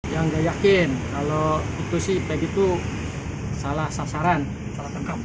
yang gak yakin kalau itu sih kayak gitu salah sasaran salah tangkap